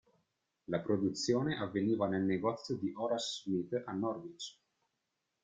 La produzione avveniva nel negozio di Horace Smith a Norwich.